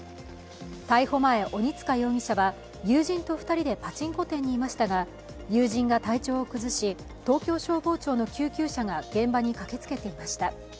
逮捕前、鬼束容疑者は友人と２人でパチンコ店にいましたが友人が体調を崩し東京消防庁の救急車が現場に駆けつけていました。